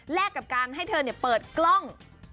กับการให้เธอเปิดกล้อง